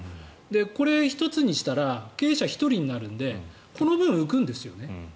これ１つにしたら経営者１人になるのでこの分、浮くんですよね。